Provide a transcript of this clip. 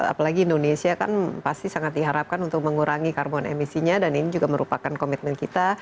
karena apalagi indonesia kan pasti sangat diharapkan untuk mengurangi karbon emisinya dan ini juga merupakan komitmen kita